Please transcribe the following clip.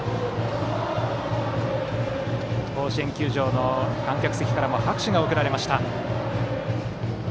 甲子園球場の観客席からも拍手が送られました。